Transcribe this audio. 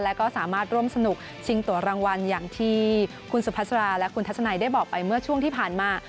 และก็สามารถร่วมสนุกชิงตัวรางวัลอย่างที่คุณสุภาษาและคุณทัศนัยได้บอกไปเมื่อช่วงที่ผ่านมา